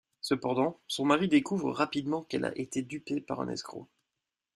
Cependant, son mari découvre rapidement qu'elle a été dupée par un escroc.